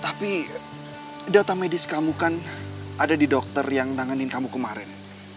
tapi data medis kamu kan ada di dokter yang nanganin kamu kemarin